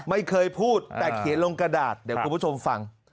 ไม่เคยพูดแต่เขียนลงกระดาษเดี๋ยวคุณผู้ชมฟัง